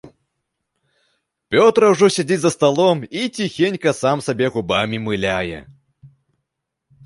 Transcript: Пётра ўжо сядзіць за сталом і ціхенька сам сабе губамі мыляе.